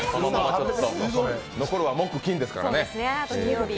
残るは木・金ですからね。